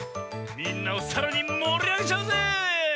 みんなをさらにもりあげちゃうぜ！